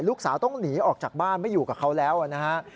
ลูกสาวต้องหนีออกจากบ้านไม่อยู่กับเขาแล้วนะฮะ